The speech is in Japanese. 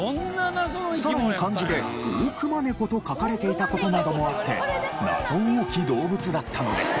さらに漢字で「大熊猫」と書かれていた事などもあって謎多き動物だったのです。